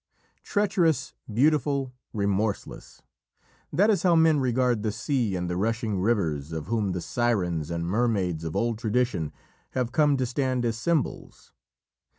" Treacherous, beautiful, remorseless, that is how men regard the sea and the rushing rivers, of whom the sirens and mermaids of old tradition have come to stand as symbols.